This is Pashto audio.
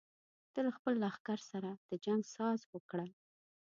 ته له خپل لښکر سره د جنګ ساز وکړه.